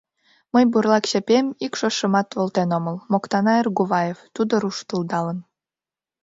Мый бурлак чапем ик шошымат волтен омыл, — моктана Эргуваев, тудо руштылдалын.